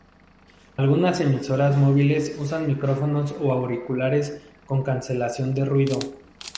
Algunas emisoras móviles usan micrófonos o auriculares con cancelación de ruido.